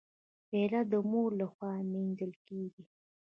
پیاله د مور لخوا مینځل کېږي.